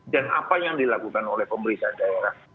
dan apa yang dilakukan oleh pemerintah daerah